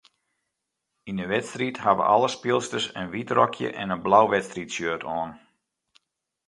Yn 'e wedstriid hawwe alle spylsters in wyt rokje en in blau wedstriidshirt oan.